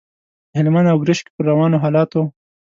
د هلمند او ګرشک پر روانو حالاتو.